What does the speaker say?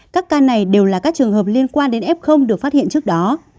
các ca này đều là các trường hợp liên quan đến f được phát hiện trước đó